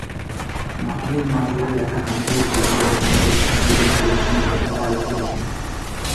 মাহমুদ মানজুরের লেখা গানটির ভিডিও নির্মাণ করেছেন সুইডেন প্রবাসী নির্মাতা আরিফুর রহমান।